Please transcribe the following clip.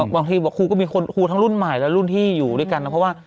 บางทีบอกครูก็มีคนครูทั้งรุ่นใหม่และรุ่นที่อยู่ด้วยกันนะเพราะว่า